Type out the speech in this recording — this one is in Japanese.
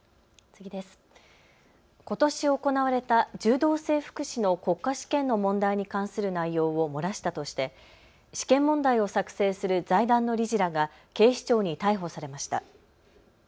ことし行われた柔道整復師の国家試験の問題に関する内容を漏らしたとして試験問題を作成する財団の理事らが警視庁に逮捕されました。